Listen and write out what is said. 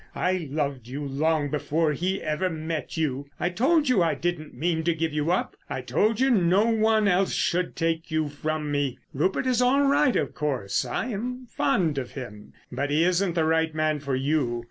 I loved you long before he ever met you. I told you I didn't mean to give you up. I told you no one else should take you from me. Rupert is all right, of course; I am fond of him, but he isn't the right man for you.